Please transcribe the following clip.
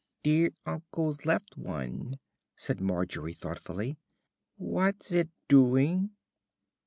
"Dear uncle's left one," said Margery thoughtfully. "What's it doing?"